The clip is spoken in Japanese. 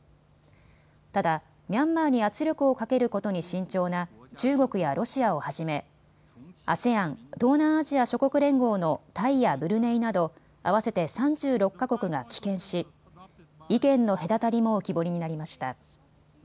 ただ、ミャンマーに圧力をかけることに慎重な中国やロシアをはじめＡＳＥＡＮ・東南アジア諸国連合のタイやブルネイなど合わせて３６か国が棄権し意見の隔たりも浮き彫りになりました。